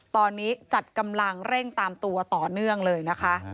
ตอนนี้จัดกำลังเร่งตามตัวต่อเนื่องเลยนะคะ